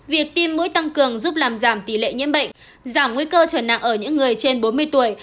việc tim mũi tăng cường giúp làm giảm tỷ lệ nhiễm bệnh giảm nguy cơ trở nặng ở những người trên bốn mươi tuổi